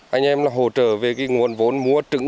anh em là hỗ trợ về cái nguồn vốn mua trứng